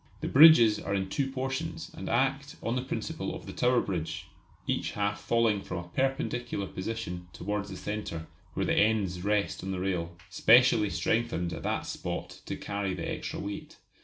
The bridges are in two portions and act on the principle of the Tower Bridge, each half falling from a perpendicular position towards the centre, where the ends rest on the rail, specially strengthened at that spot to carry the extra weight.